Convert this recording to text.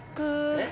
えっ？